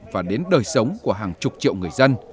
và đến đời sống của hàng chục triệu người dân